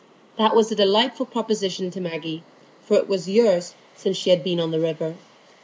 That was a delightful proposition to Maggie, for it was years since she had been on the river.